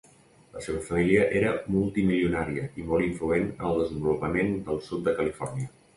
La seva família era multimilionària i molt influent en el desenvolupament del sud de Califòrnia.